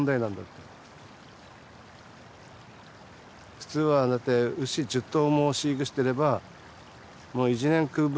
普通はだって牛１０頭も飼育してれば１年食う分